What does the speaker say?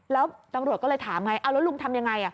แล้วตำรวจก็เลยถามให้เอาละลุงทำอย่างไร